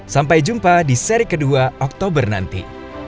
sampai jumpa di seri kedua oktober nanti